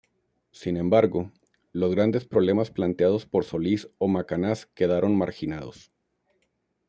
Sin embargo, "los grandes problemas planteados por Solís o Macanaz quedaron marginados".